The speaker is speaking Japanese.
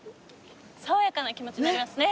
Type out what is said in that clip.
爽やかな気持ちになりますね。